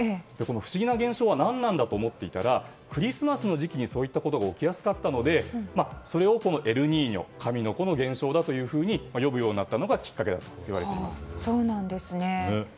不思議な現象は何なんだと思っていたらクリスマスの時期にそういったことが起きやすかったのでそれをエルニーニョ神の子の現象だと呼ぶようになったのがきっかけだといわれています。